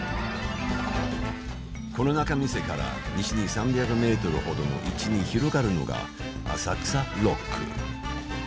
この仲見世から、西に３００ｍ程の位置に広がるのが浅草六区。